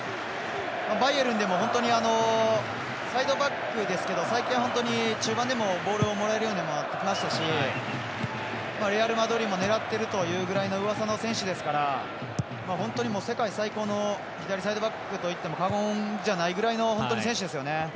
バイエルンでも本当にサイドバックですけど最近は本当に中盤でもボールをもらえるようになってきましたしレアルマドリードも狙ってるというぐらいのうわさの選手ですから本当に世界最高の左サイドバックといっても過言じゃないぐらいの選手ですよね。